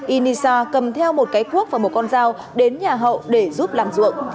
inisa cầm theo một cái cuốc và một con dao đến nhà hậu để giúp làm ruộng